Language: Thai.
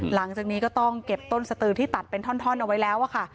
หลังจากนี้ก็ต้องเก็บต้นสตือที่ตัดเป็นท่อนเอาไว้แล้วค่ะ